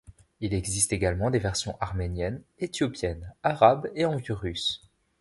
Il existe également des versions arméniennes, éthiopiennes, arabes et en vieux russe.